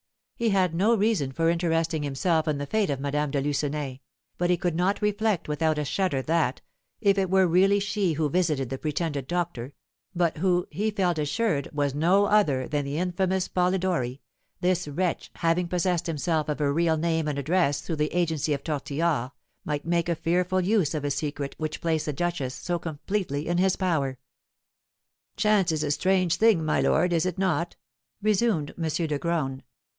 He had no reason for interesting himself in the fate of Madame de Lucenay; but he could not reflect without a shudder that, if it were really she who visited the pretended doctor (but who, he felt assured, was no other than the infamous Polidori), this wretch, having possessed himself of her real name and address through the agency of Tortillard, might make a fearful use of a secret which placed the duchess so completely in his power. "Chance is a strange thing, my lord, is it not?" resumed M. de Graün.